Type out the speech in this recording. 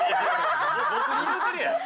◆僕に言うてるやん。